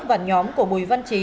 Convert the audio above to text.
và nhóm của bùi văn trí